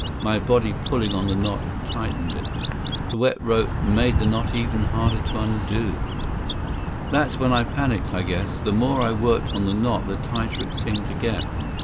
My body pulling on the knot had tightened it. The wet rope made the knot even harder to undo. That's when I panicked, I guess. The more I worked on the knot, the tighter it seemed to get.